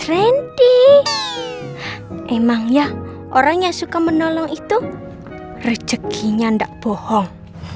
randy emang ya orang yang suka menolong itu rezekinya tidak bohong